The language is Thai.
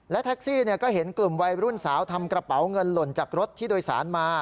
แท็กซี่ก็เห็นกลุ่มวัยรุ่นสาวทำกระเป๋าเงินหล่นจากรถที่โดยสารมา